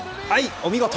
お見事！